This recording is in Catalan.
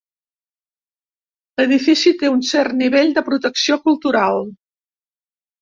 L'edifici té un cert nivell de protecció cultural.